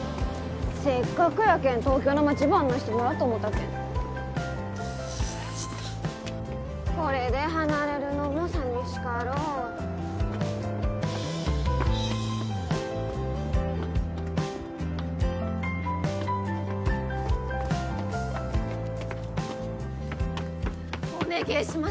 せっかくやけん東京の街ば案内してもらおうと思ったけんはあっこれで離れるのも寂しかろうお願えします